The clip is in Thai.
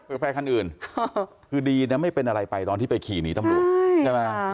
ไฟฟ้าคันอื่นคือดีนะไม่เป็นอะไรไปตอนที่ไปขี่หนีตำรวจใช่ไหม